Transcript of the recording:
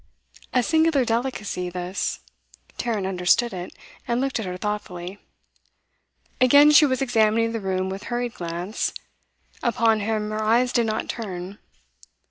A singular delicacy this; Tarrant understood it, and looked at her thoughtfully. Again she was examining the room with hurried glance; upon him her eyes did not turn.